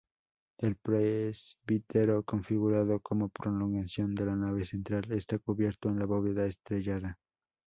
El presbiterio, configurado como prolongación de la nave central, está cubierto con bóveda estrellada.